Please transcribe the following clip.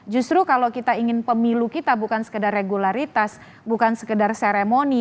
justru kalau kita ingin pemilu kita bukan sekedar regularitas bukan sekedar seremoni